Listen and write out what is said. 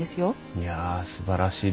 いやすばらしいです。